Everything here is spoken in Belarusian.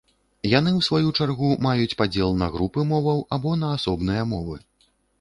Яны ў сваю чаргу маюць падзел на групы моваў або на асобныя мовы.